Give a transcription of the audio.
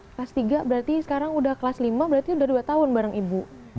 kelas tiga berarti sekarang udah kelas lima berarti udah dua tahun bareng ibu